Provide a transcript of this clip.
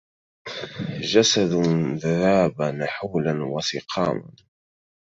جسد ذاب نحولا وسقاما